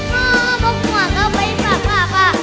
พ่อพร้อมหัวก็ไปฝากห้าป่า